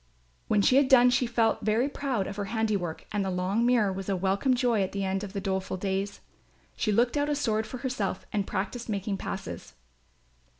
When she had done she felt very proud of her handiwork and the long mirror was a welcome joy at the end of the doleful days. She looked out a sword for herself and practised making passes.